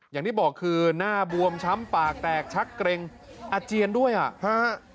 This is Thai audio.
อย่างที่บอกคือหน้าบวมช้ำปากแตกชักเกร็งอาเจียนด้วยอ่ะฮะ